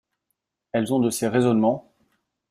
Elles ont de ces raisonnements !